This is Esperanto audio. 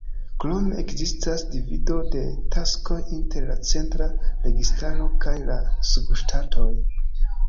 Krome, ekzistas divido de taskoj inter la centra registaro kaj la subŝtatoj.